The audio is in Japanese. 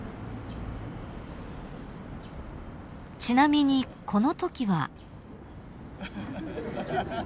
［ちなみにこのときは］